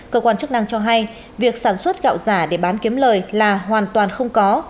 cơ quan chức năng cho hay việc sản xuất gạo giả để bán kiếm lời là hoàn toàn không có